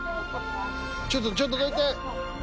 ちょっとちょっとどいて。